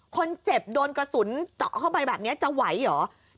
คนเจ็บโดนกระสุนเจาะเข้าไปแบบนี้จะไหวเหรอ